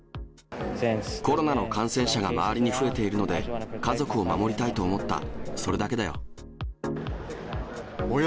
コロナの感染者が周りに増えているので、家族を守りたいと思った、それだけだよ。